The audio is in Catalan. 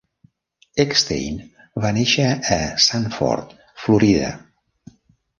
Eckstein va néixer a Sanford, Florida.